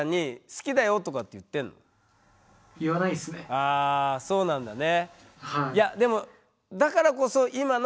ああそうなんだね。